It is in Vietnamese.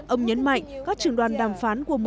ông nhấn mạnh các trường đoàn đàm phán